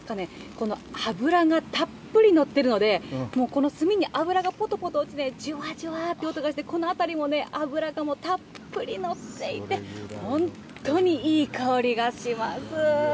この脂がたっぷり乗ってるので、もう、この炭に脂がぽとぽと落ちて、じゅわじゅわという音がして、このあたりも脂がたっぷり乗っていて、本当にいい香りがします。